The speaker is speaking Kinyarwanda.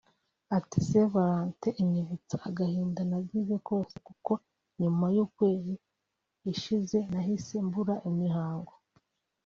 Ati “Saint Valentin inyibutsa agahinda nagize kose kuko nyuma y’ukwezi ishize nahise mbura imihango